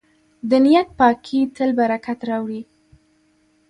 د نیت پاکي تل برکت راوړي.